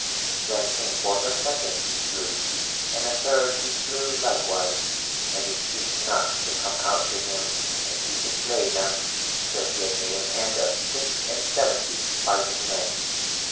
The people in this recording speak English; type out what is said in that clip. Then came forth a second he slew, and a third he slew likewise, and they ceased not to come out to him and he to slay them, till he had made an end of six and seventy fighting men.